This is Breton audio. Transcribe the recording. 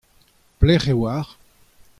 Pelec'h e oac'h ?